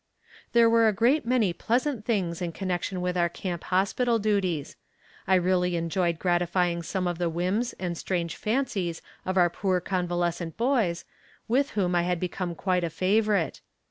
There were a great many pleasant things in connection with our camp hospital duties. I really enjoyed gratifying some of the whims and strange fancies of our poor convalescent boys, with whom I had become quite a favorite.